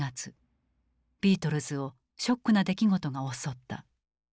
ビートルズをショックな出来事が襲った。